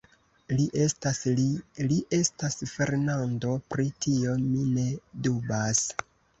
Li estas Li; li estas Fernando; pri tio mi ne dubas.